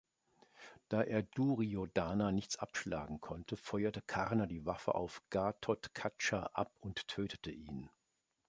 Da er Duryodhana nichts abschlagen konnte, feuerte Karna die Waffe auf Ghatotkacha ab und tötete ihn.